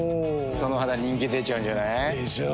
その肌人気出ちゃうんじゃない？でしょう。